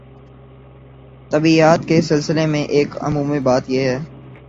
طبیعیات کے سلسلے میں ایک عمومی بات یہ ہے